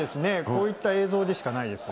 こういった映像でしかないです。